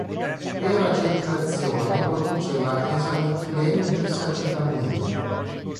Per acetilazione produce la esametilen-bis-acetammide.